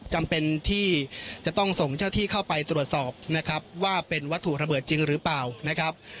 จำเป็นที่จะต้องส่งเจ้าที่เข้าไปตรวจสอบนะครับว่าเป็นวัตถุระเบิดจริงหรือเปล่านะครับ